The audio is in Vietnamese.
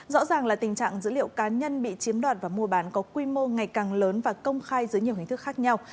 rõ ràng là tình trạng dữ liệu cá nhân bị chiếm đoạt và mua bán có quy mô ngày càng lớn và công khai dưới nhiều hình thức khác nhau